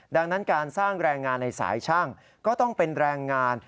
ดังนั้นการสร้างแรงงานในสายช่างก็ต้องเป็นแรงงาน